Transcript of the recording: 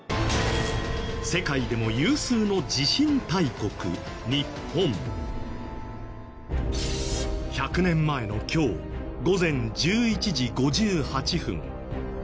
世界でも有数の１００年前の今日午前１１時５８分。